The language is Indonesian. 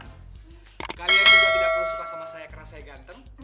kalian juga tidak perlu suka sama saya karena saya ganteng